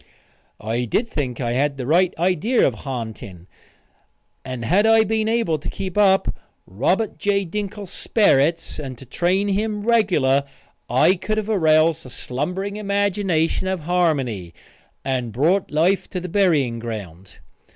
I think I had the right idea of ha'nting, and had I been able to keep up Robert J. Dinkle's sperrits and to train him regular I could have aroused the slumbering imagination of Harmony, and brought life to the burying ground.